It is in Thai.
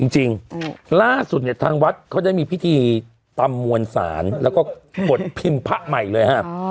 จริงล่าสุดเนี่ยทางวัดเขาได้มีพิธีตำมวลศาลแล้วก็กดพิมพ์พระใหม่เลยฮะ